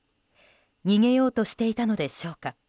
逃げようとしていたのでしょうか